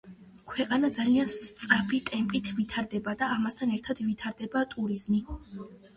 ქვეყანა ძალიან სწრაფი ტემპით ვითარდება და ამასთან ერთად ვითარდება ტურიზმი.